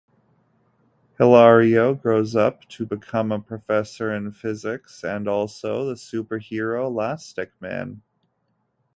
Hilario grows up to become a Professor in physics, and also the superhero Lastikman.